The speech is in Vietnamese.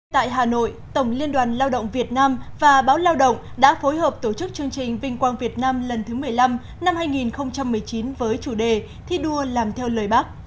tại hà nội tổng liên đoàn lao động việt nam và báo lao động đã phối hợp tổ chức chương trình vinh quang việt nam lần thứ một mươi năm năm hai nghìn một mươi chín với chủ đề thi đua làm theo lời bác